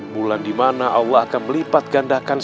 bulan dimana allah akan melipat ganda ganda